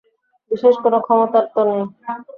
বিশেষ কোনো ক্ষমতা তো নেই।